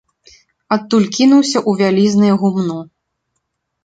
Адтуль кінуўся ў вялізнае гумно.